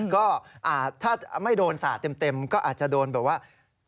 ก็ถ้าไม่โดนสาดเต็มก็อาจจะโดนแบบว่า